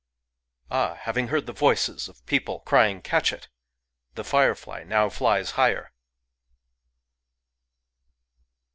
Ah ! having heard the voices of people [crying ^ Catch it !"] J the firefly now flies higher